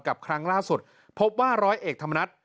ครั้งล่าสุดพบว่าร้อยเอกธรรมนัฐ